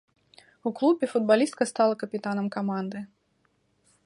У клубе футбалістка стала капітанам каманды.